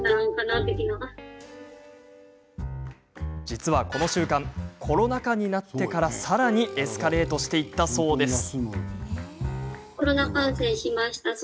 実は、この習慣コロナ禍になってから、さらにエスカレートしていったそうです。